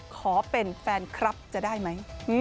ขอเป็นแฟนคลับจะได้ไหม